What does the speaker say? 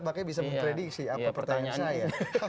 makanya bisa memprediksi apa pertanyaan saya